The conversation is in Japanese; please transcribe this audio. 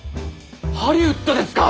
ハリウッドですか！？